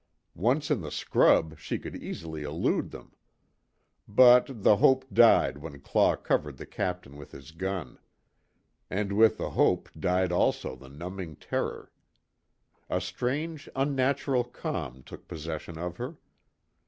Once in the scrub, she could easily elude them. But the hope died when Claw covered the Captain with his gun. And with the hope died also the numbing terror. A strange, unnatural calm took possession of her.